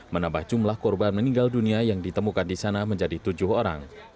menambah jumlah korban meninggal dunia yang ditemukan di sana menjadi tujuh orang